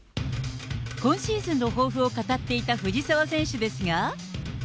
今シーズンの抱負を語っていた藤澤選手ですが。